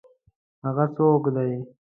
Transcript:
هغه څوک دی؟